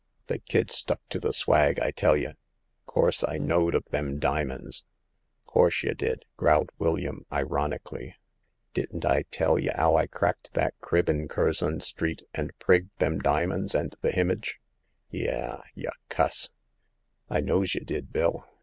'* The kid stuck to the swag, I tell y'. 'Course I knowed of them dimins !"'Course y' did !" growled William, ironically. Didn't I tell y' 'ow I cracked that crib in Curzon Street, an' prigged th' dimins an' th* himage ?. Yah ! y' cuss !"I knows y' did. Bill.